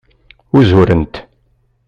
Uzurent.